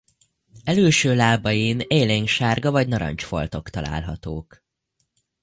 Elülső lábain élénksárga vagy narancs foltok találhatók.